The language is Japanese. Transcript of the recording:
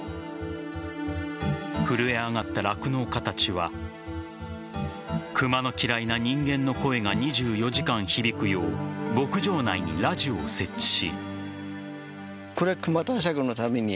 震え上がった酪農家たちは熊の嫌いな人間の声が２４時間響くよう牧場内にラジオを設置し。